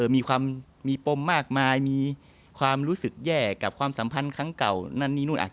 มีความมีปมมากมายมีความรู้สึกแย่กับความสัมพันธ์ครั้งเก่านั่นนี่นู่น